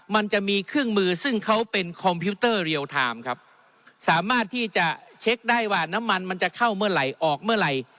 มันจะมีเครื่องมือซึ่งเขาเป็นคอมพิวเตอร์เรียลไทม์ครับสามารถที่จะเช็คได้ว่าน้ำมันมันจะเข้าเมื่อไหร่ออกเมื่อไหร่